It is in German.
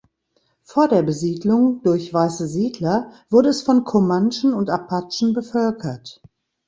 Vor der Besiedlung durch weiße Siedler wurde es von Comanchen und Apachen bevölkert.